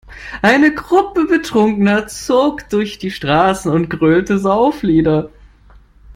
Eine Gruppe Betrunkener zog durch die Straßen und grölte Sauflieder.